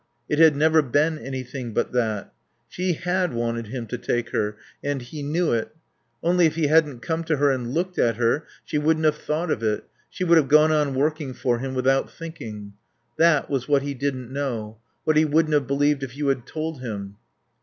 It had never been anything but that. She had wanted him to take her, and he knew it. Only, if he hadn't come to her and looked at her she wouldn't have thought of it; she would have gone on working for him without thinking. That was what he didn't know, what he wouldn't have believed if you had told him.